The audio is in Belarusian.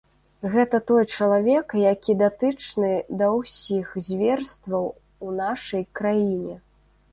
Гэта той чалавек, які датычны да ўсіх зверстваў у нашай краіне.